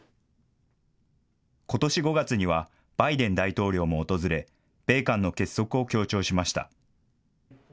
ことし５月にはバイデン大統領も訪れ、米韓の結束を強調しました。